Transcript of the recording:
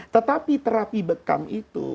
tetapi terapi bekam itu